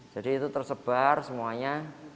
jadi itu tersebar semuanya